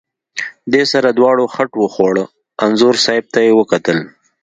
دې سره دواړو خټ وخوړه، انځور صاحب ته یې وکتل.